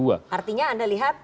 artinya anda lihat